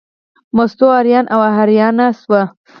مستو اریانه او حیرانه شوه.